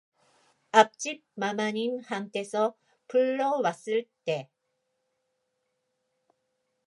앞집 마마님한테서 부르러 왔을 제